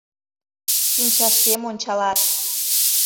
Шинчашкем ончалат